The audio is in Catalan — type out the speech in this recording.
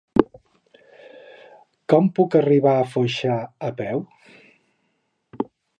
Com puc arribar a Foixà a peu?